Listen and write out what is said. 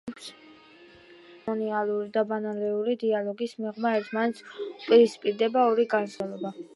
ერთდროულად ცერემონიალური და ბანალური დიალოგის მიღმა ერთმანეთს უპირისპირდება ორი განსხვავებული მსოფლმხედველობა.